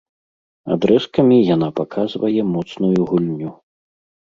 Адрэзкамі яна паказвае моцную гульню.